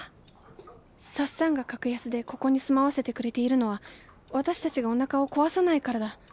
サッサンが格安でここに住まわせてくれているのは私たちがおなかを壊さないからだ。